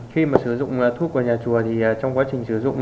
khi mà sử dụng thuốc của nhà chùa thì trong quá trình sử dụng